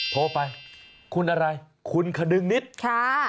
โทรไปคุณอะไรคุณขนึงนิดค่ะ